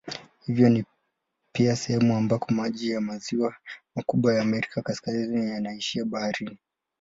Hivyo ni pia sehemu ambako maji ya maziwa makubwa ya Amerika Kaskazini yanaishia baharini.